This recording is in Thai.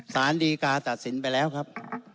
สารดีกาตัดสินไปแล้วครับ